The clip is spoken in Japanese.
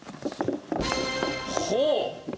ほう。